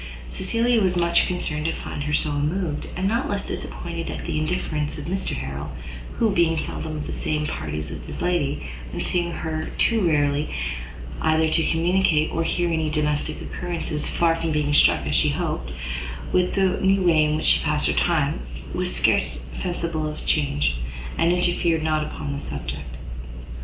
Cecilia was much concerned to find her so unmoved; and not less disappointed at the indifference of Mr Harrel, who, being seldom of the same parties with his lady, and seeing her too rarely either to communicate or hear any domestic occurrences, far from being struck, as she had hoped, with the new way in which she passed her time, was scarce sensible of the change, and interfered not upon the subject.